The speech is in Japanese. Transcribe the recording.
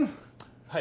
はい。